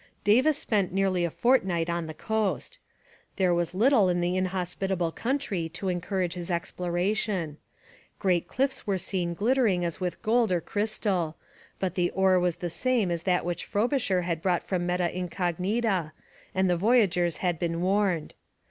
Davis spent nearly a fortnight on the coast. There was little in the inhospitable country to encourage his exploration. Great cliffs were seen glittering as with gold or crystal, but the ore was the same as that which Frobisher had brought from Meta Incognita and the voyagers had been warned.